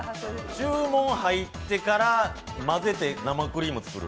注文入ってから混ぜて生クリーム作る。